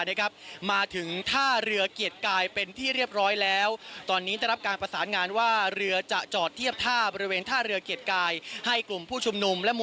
ติดตามบรรยากาศกันเลยค่ะเชิญค่ะ